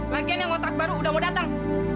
lagian yang ngontrak baru udah mau datang